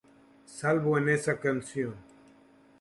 Salvo en esa canción.